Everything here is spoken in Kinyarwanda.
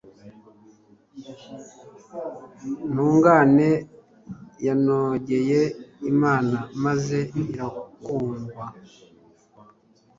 intungane yanogeye imana maze irakundwa